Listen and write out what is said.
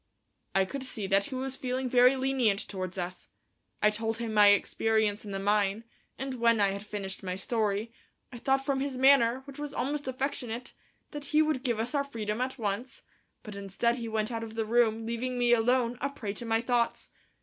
I could see that he was feeling very lenient towards us. I told him my experience in the mine, and when I had finished my story, I thought from his manner, which was almost affectionate, that he would give us our freedom at once, but instead he went out of the room, leaving me alone, a prey to my thoughts.